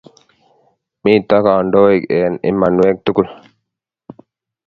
mito kandoik eng' imanwek tugul